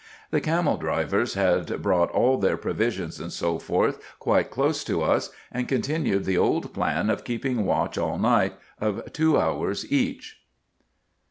The camel drivers had brought all our provisions, &c. quite close to us, and continued the old plan of keeping watch all night, of two hours each.